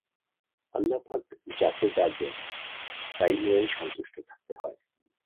আল্লাহপাক যাকে যা দেন তাই নিয়াই সন্তুষ্ট থাকতে হয়।